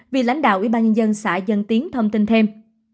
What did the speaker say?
vì lãnh đạo ủy ban nhân dân xã dân tiến thông tin thêm